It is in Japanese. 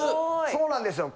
そうなんですよ。